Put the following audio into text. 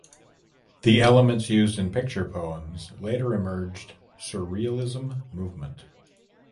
The elements used in Picture poems later emerged surrealism movement.